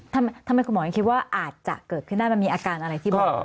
ทำไมคุณหมอยังคิดว่าอาจจะเกิดขึ้นได้มันมีอาการอะไรที่บอก